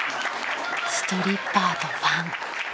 ［ストリッパーとファン］